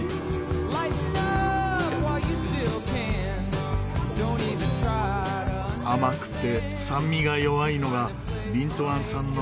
甘くて酸味が弱いのがビントゥアン産の特徴です。